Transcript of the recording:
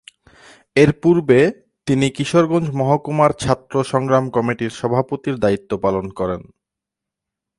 এরপূর্বে তিনি কিশোরগঞ্জ মহকুমার ছাত্র সংগ্রাম কমিটির সভাপতির দায়িত্ব পালন করেন।